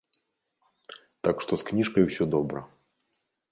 Так што з кніжкай усё добра.